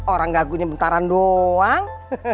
orang gagunya bentaran doang